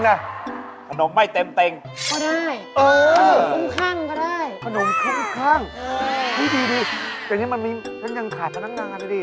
แล้วอย่างลมมิตร่ะเจ๊ขนมลมมิตรจะใช้ชื่ออย่างนี้